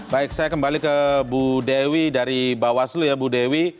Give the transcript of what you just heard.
baik saya kembali ke bu dewi dari bawaslu ya bu dewi